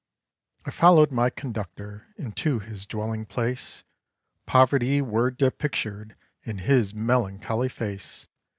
I followed my conductor into his dwelling place; Poverty were depictured in his melancholy face.